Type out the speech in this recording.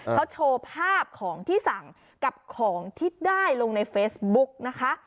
เขาโชว์ภาพของที่สั่งกับของที่ได้ลงในเฟซบุ๊กนะคะ